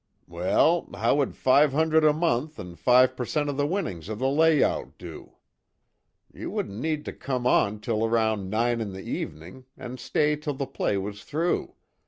"Well, how would five hundred a month, an' five percent of the winnings of the layout do? You wouldn't need to come on till around nine in the evening, and stay till the play was through.